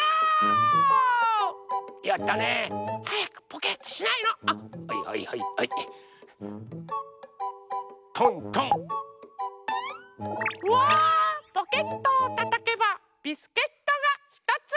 ポケットをたたけばビスケットがひとつ！